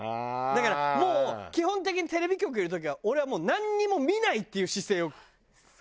だからもう基本的にテレビ局いる時は俺はもうなんにも見ないっていう姿勢をとる。